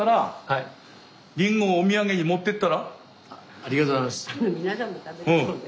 ありがとうございます。